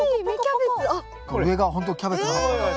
上がほんとキャベツの葉っぱだ。